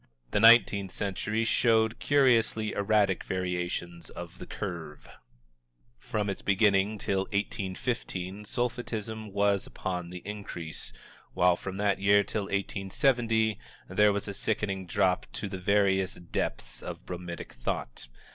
The nineteenth century showed curiously erratic variations of the curve. From its beginning till 1815, Sulphitism was upon the increase, while from that year till 1870 there was a sickening drop to the veriest depths of bromidic thought.